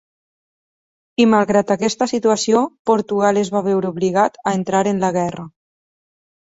I malgrat aquesta situació, Portugal es va veure obligat a entrar en la guerra.